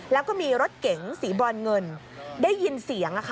แล้วก็มีรถเก๋งสีบรอนเงินได้ยินเสียง